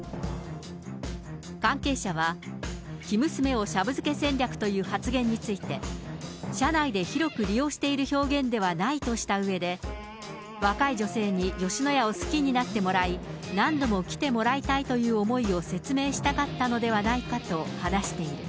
関係者は生娘をシャブ漬け戦略という発言について、社内で広く利用している表現ではないとしたうえで、若い女性に吉野家を好きになってもらい、何度も来てもらいたいという思いを説明したかったのではないかと話している。